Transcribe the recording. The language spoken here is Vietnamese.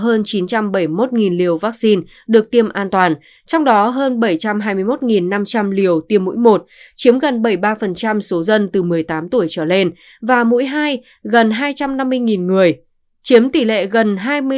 theo trung tâm kiểm soát bệnh tật tỉnh bến tre đến nay toàn tỉnh có hơn hai trăm bảy mươi một liều vaccine được tiêm an toàn trong đó hơn bảy trăm hai mươi một năm trăm linh liều tiêm mũi một chiếm gần bảy mươi ba số dân từ một mươi tám tuổi trở lên và mũi hai gần hai trăm năm mươi người chiếm tỷ lệ gần hai mươi năm